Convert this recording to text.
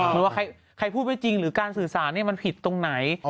หรือว่าใครพูดไม่จริงหรือการสื่อสารมันผิดตรงไหน